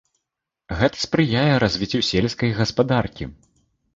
Гэта спрыяе развіццю сельскай гаспадаркі.